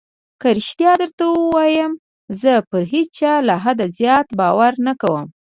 که رښتيا درته ووايم زه پر هېچا له حده زيات باور نه کوم.